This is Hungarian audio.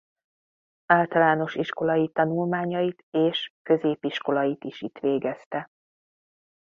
Általános iskolai tanulmányait és középiskolait is itt végezte.